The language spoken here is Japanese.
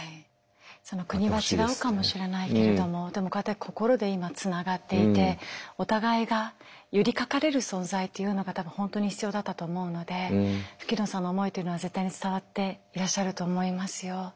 国は違うかもしれないけれどもこうやって心で今つながっていてお互いが寄りかかれる存在というのが多分本当に必要だったと思うので吹野さんの思いというのは絶対に伝わっていらっしゃると思いますよ。